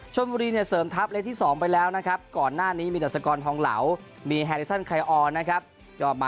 ชมมรีเนี่ยเสริมทัพเลขที่๒ไปแล้วนะครับ